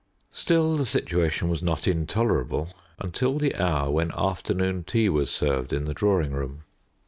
Still, the situation was not intolerable until the hour when afternoon tea was served in the drawing room.